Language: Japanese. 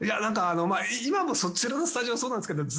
今もそっちのスタジオそうなんですけど。